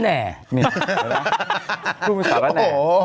เชื่อไหมนะ